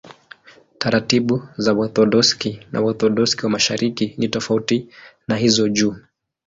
Taratibu za Waorthodoksi na Waorthodoksi wa Mashariki ni tofauti na hizo juu.